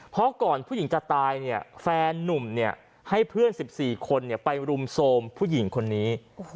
เพราะก่อนผู้หญิงจะตายเนี่ยแฟนนุ่มให้เพื่อน๑๔คนไปรุมโทรมผู้หญิงคนนี้